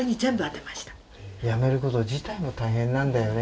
やめること自体も大変なんだよね。